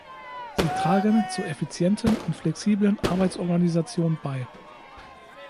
Sie tragen zur effizienten und flexiblen Arbeitsorganisation bei.